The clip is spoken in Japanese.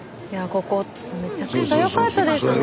ここめちゃくちゃ良かったですね。